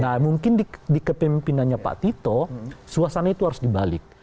nah mungkin di kepemimpinannya pak tito suasana itu harus dibalik